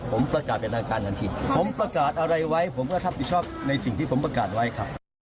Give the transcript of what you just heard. ผมประกาศเป็นทางการทันทีผมประกาศอะไรไว้ผมก็รับผิดชอบในสิ่งที่ผมประกาศไว้ครับ